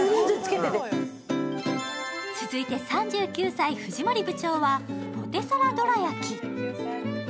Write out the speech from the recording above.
続いて３９歳、藤森部長はポテサラどら焼き。